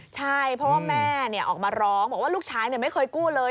ใช่เพราะว่าแม่ออกมาร้องบอกว่าลูกชายไม่เคยกู้เลย